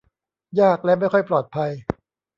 ยากและไม่ค่อยปลอดภัย